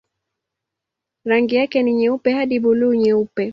Rangi yake ni nyeupe hadi buluu-nyeupe.